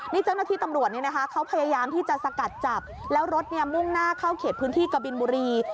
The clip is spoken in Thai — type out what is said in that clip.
นี่เจ้าหน้าที่ตำรวจเขาพยายามที่จะสกัดจับแล้วรถมุ่งหน้าเข้าเขตพื้นที่กะบินบุรี